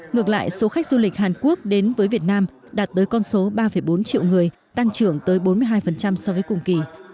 ngược lại số khách du lịch hàn quốc đến với việt nam đạt tới con số ba bốn triệu người tăng trưởng tới bốn mươi hai so với cùng kỳ